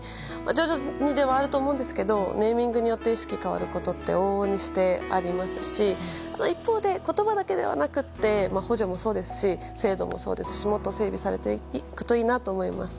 徐々にではあると思うんですけどネーミングによって意識が変わることって往々にしてありますし一方で言葉だけではなくて補助もそうですし制度もそうですしもっと整備されていくといいなと思います。